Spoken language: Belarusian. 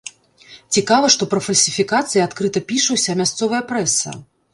Цікава, што пра фальсіфікацыі адкрыта піша ўся мясцовая прэса.